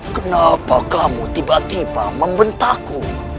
kenapa kamu tiba tiba membentakku